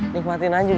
nikmatin aja dulu ya